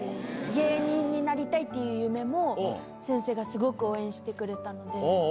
芸人になりたいっていう夢も、先生がすごく応援してくれたので。